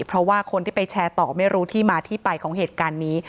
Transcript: เพราะว่าคนที่ไปแชร์ต่อไม่รู้ที่มาที่ไปของเหตุการณ์นี้